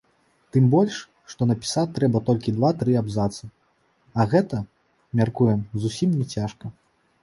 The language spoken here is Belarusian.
Тым больш, што напісаць трэба толькі два-тры абзацы, а гэта, мяркуем, зусім не цяжка.